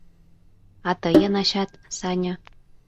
— А тыйын ачат, Саня...